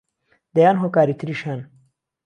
دەیان هۆکاری تریش هەن